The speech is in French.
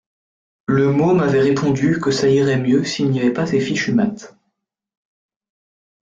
Le môme avait répondu que ça irait mieux s’il n’y avait pas ces fichues maths